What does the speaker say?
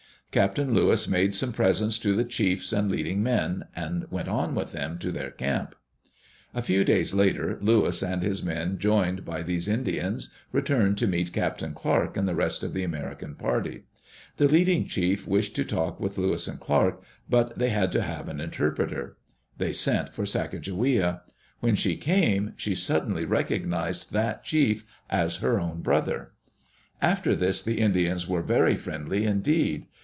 Captain Lewis made some presents to the chiefs and leading men, and went on with them to their camp. A few days later, Lewis and his men, joined by these Indians, returned to meet Captain Clark and the rest of the American party. The leading chief wished to talk with Lewis and Clark, but they had to have an interpreter. Digitized by CjOOQ IC EARLY DAYS IN OLD OREGON They sent for Sacajawea. When she came, she suddenly recognized that chief as her own brother. After this the Indians were very friendly indeed.